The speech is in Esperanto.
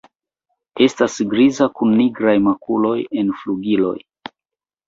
Estas griza kun nigraj makuloj en flugiloj.